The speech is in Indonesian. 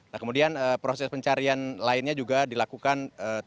nah kemudian proses pencarian lainnya juga dilakukan